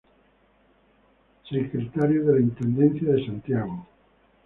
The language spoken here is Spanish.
Secretario de la Intendencia de Santiago.